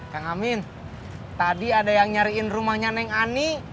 kang amin tadi ada yang nyariin rumahnya neng ani